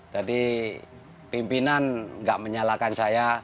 jadi pimpinan enggak menyalahkan saya